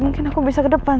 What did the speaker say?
mungkin aku bisa ke depan